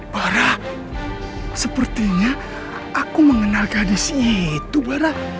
barah sepertinya aku mengenal gadis itu barah